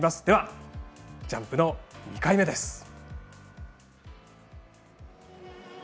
では、ジャンプの２回目です。